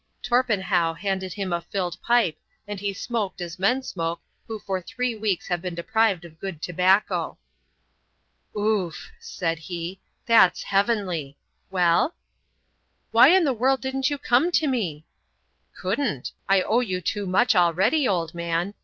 Torpenhow handed him a filled pipe, and he smoked as men smoke who for three weeks have been deprived of good tobacco. "Ouf!" said he. "That's heavenly! Well?" "Why in the world didn't you come to me?" "Couldn't; I owe you too much already, old man.